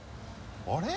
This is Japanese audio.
あれ？